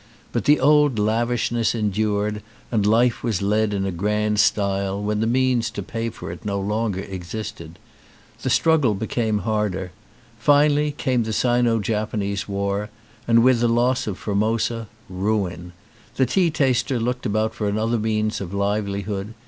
But the old lavishness endured and life was led in a grand style when the means to pay for it no longer existed. The struggle became harder. Finally came the Sino Japanese war, and with the loss of Formosa, ruin. The tea taster looked about for other means of livelihood.